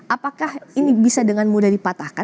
apakah ini bisa dengan mudah dipatahkan